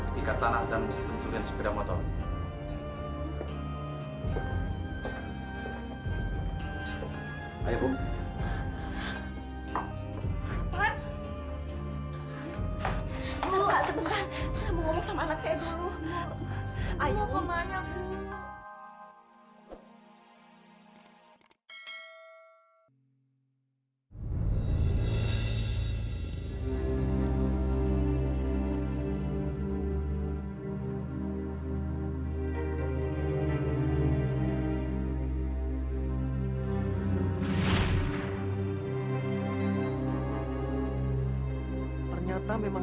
tidak tidak tidak